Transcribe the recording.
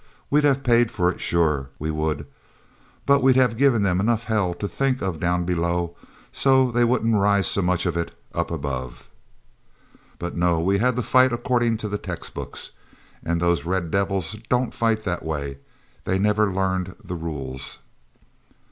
We'd have paid for it, sure we would, but we'd have given them enough hell to think of down below so they wouldn't raise so much of it up above. "But no! We had to fight according to the textbooks. And those red devils don't fight that way; they never learned the rules."